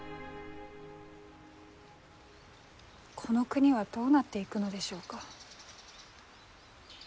この国はどうなっていくのでしょうか。